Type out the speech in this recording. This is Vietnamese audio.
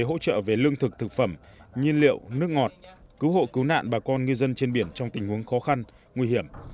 hỗ trợ về lương thực thực phẩm nhiên liệu nước ngọt cứu hộ cứu nạn bà con ngư dân trên biển trong tình huống khó khăn nguy hiểm